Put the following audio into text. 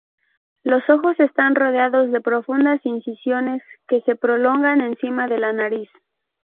Los ojos están rodeados de profundas incisiones que se prolongan encima de la nariz.